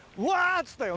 っつったよ